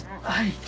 はい。